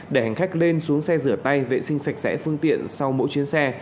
để hành khách lên xuống xe rửa tay vệ sinh sạch sẽ phương tiện sau mỗi chuyến xe